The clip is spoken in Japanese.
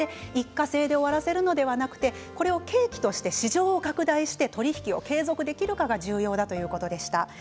一過性で終わらせるのではなく契機として市場拡大し取り引きを継続できるかが重要と述べています。